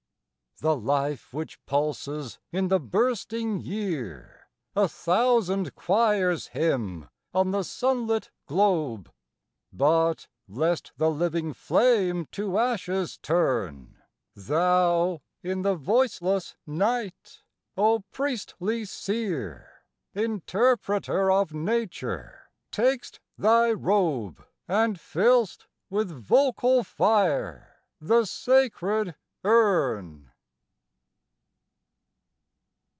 The life which pulses in the bursting year A thousand choirs hymn on the sunlit globe; But, lest the living flame to ashes turn, Thou, in the voiceless night, O priestly seer, Interpreter of nature, tak'st thy robe, And fill'st with vocal fire the sacred urn.